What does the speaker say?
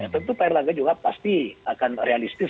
tentu pak erlangga juga pasti akan realistis